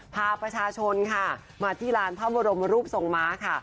พาประชาชนค่ะมาที่ลานพระบรมรูปทรงม้าค่ะ